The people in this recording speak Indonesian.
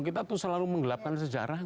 kita selalu menggelapkan sejarah